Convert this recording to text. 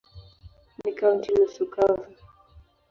Ni kaunti nusu kavu.